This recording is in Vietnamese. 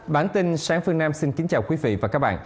bản tin sáng phương nam xin kính chào quý vị và các bạn